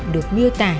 được miêu tả